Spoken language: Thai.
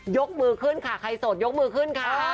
ยกมือขึ้นค่ะใครโสดยกมือขึ้นค่ะ